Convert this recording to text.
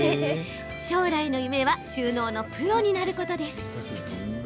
将来の夢は収納のプロになることです。